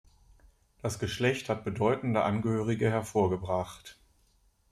Das Geschlecht hat bedeutende Angehörige hervorgebracht.